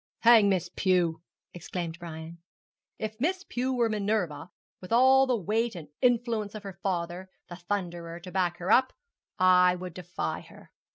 'Hang Miss Pew!' exclaimed Brian. 'If Miss Pew were Minerva, with all the weight and influence of her father, the Thunderer, to back her up, I would defy her.